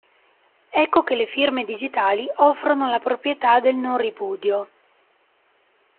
Ecco che le firme digitali offrono la proprietà del non ripudio.